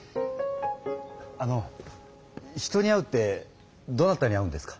あの人に会うってどなたに会うんですか？